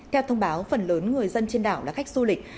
theo thông báo phần lớn người dân trên đảo là khách du lịch